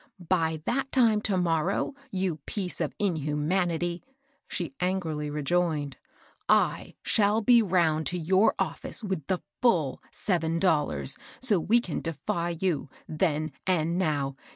" By that time to morrow, you piece of inha manity," she angrily rejoined, " I shall be round to your oflS^ce with the ftill seven dollars, so we can defy you — then and now.